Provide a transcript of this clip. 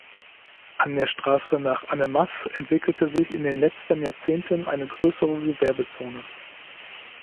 An der Straße nach Annemasse entwickelte sich in den letzten Jahrzehnten eine größere Gewerbezone.